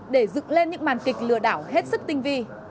để dựng lên những màn kịch lừa đảo hết sức tinh vi